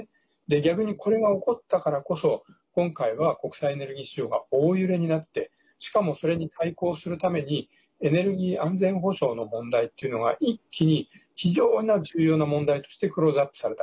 逆に、これが起こったからこそ今回は国際エネルギー市場が大揺れになってしかも、それに対抗するためにエネルギー安全保障の問題っていうのが一気に非常に重要な問題としてクローズアップされた。